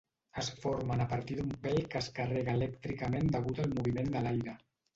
Es formen a partir d'un pèl que es carrega elèctricament degut al moviment de l'aire.